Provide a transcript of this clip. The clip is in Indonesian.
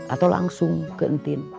atau langsung ke entin